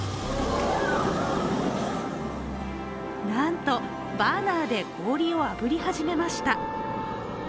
なんとバーナーで氷をあぶり始めました。